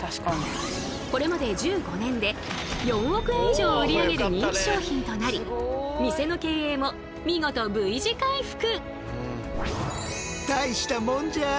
これまで１５年で４億円以上を売り上げる人気商品となり店の経営も見事Ｖ字回復。